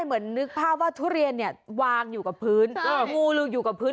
เหมือนนึกภาพว่าทุเรียนเนี่ยวางอยู่กับพื้นงูลืมอยู่กับพื้น